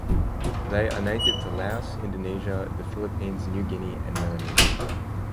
They are native to Laos, Indonesia, the Philippines, New Guinea and Melanesia.